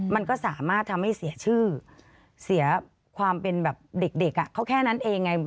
มันก็สามารถทำให้เสียชื่อเสียความเป็นแบบเด็กเขาแค่นั้นเองไง